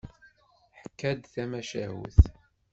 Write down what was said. Teḥka-d tamacahut.